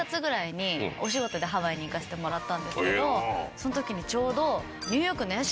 その時にちょうど。